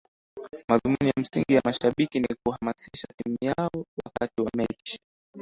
madhumuni ya msingi ya mashabiki ni kuhamasisha timu yao wakati wa mechi